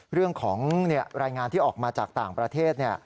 เรื่องของรายงานที่ออกมาจากต่างประเทศ